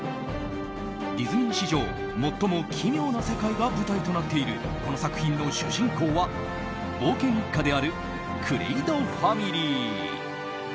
ディズニー史上最も奇妙な世界が舞台となっているこの作品の主人公は冒険一家であるクレイドファミリー。